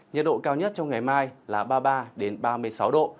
nhật độ cao nhất trong ngày mai là ba mươi ba ba mươi sáu độ có nơi cao hơn